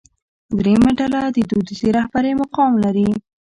درېیمه ډله د دودیزې رهبرۍ مقام لري.